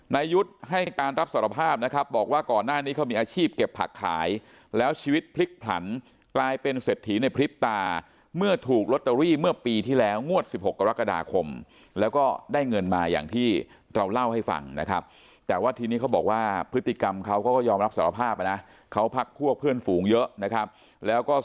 ยุทธ์ให้การรับสารภาพนะครับบอกว่าก่อนหน้านี้เขามีอาชีพเก็บผักขายแล้วชีวิตพลิกผลันกลายเป็นเศรษฐีในพริบตาเมื่อถูกลอตเตอรี่เมื่อปีที่แล้วงวด๑๖กรกฎาคมแล้วก็ได้เงินมาอย่างที่เราเล่าให้ฟังนะครับแต่ว่าทีนี้เขาบอกว่าพฤติกรรมเขาก็ยอมรับสารภาพนะเขาพักพวกเพื่อนฝูงเยอะนะครับแล้วก็